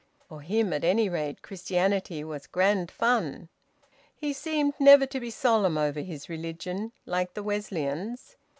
For him at any rate Christianity was grand fun. He seemed never to be solemn over his religion, like the Wesleyans.